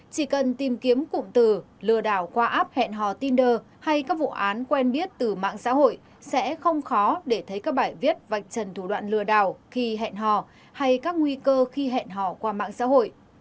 chỉ cần tìm kiếm cụm từ lừa đảo qua app hẹn hò tinder hay các vụ án quen biết từ mạng xã hội sẽ không khó để thấy các bài viết vạch trần thủ đoạn lừa đảo khi hẹn hò hay các nguy cơ khi hẹn hò qua mạng xã hội